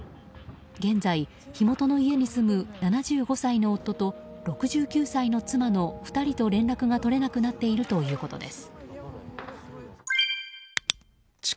現在、火元の家に住む７５歳の夫と６９歳の妻の２人と連絡が取れなくなっているということです。